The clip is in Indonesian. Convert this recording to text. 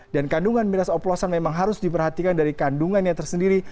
dan kandungan miras oplosan memang harus diperhatikan dari kandungannya tersendiri